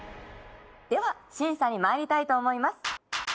では審査に参りたいと思います。